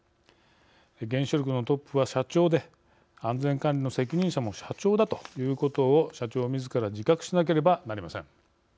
原子力のトップは社長で安全管理の責任者も社長だということを社長みずから自覚しなければなりません。